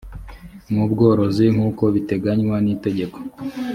n ubworozi nk uko biteganywa n itegeko